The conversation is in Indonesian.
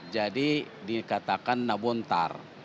jadi dikatakan nabontar